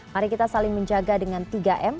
mari kita saling menjaga dengan tiga m